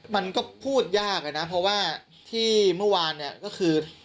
มันก็พูดยากนะเพราะว่าที่เมื่อวานเนี่ยก็คือ